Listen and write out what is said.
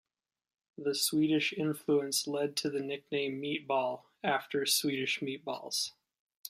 The Swedish influence led to the nickname "Meatball", after Swedish meatballs.